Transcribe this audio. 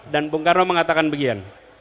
dan bung karno mengatakan bagian